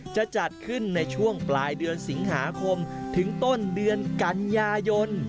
จะจัดขึ้นในช่วงปลายเดือนสิงหาคมถึงต้นเดือนกันยายน